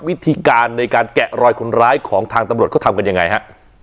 วิธีการในการแกะรอยคนร้ายของทางตำรวจเขาทำกันยังไงฮะ